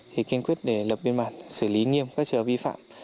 thì kiên quyết để lập biên bản xử lý nghiêm các trở vi phạm